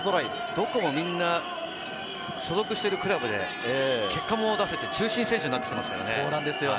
どこもみんな所属しているクラブで結果も出せて、中心選手になってきていますからね。